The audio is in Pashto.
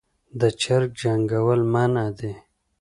د چرګ جنګول منع دي